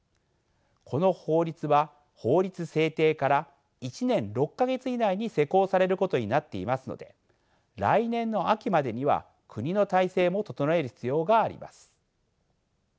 この法律は法律制定から１年６か月以内に施行されることになっていますので来年の秋までには国の体制も整える必要があります。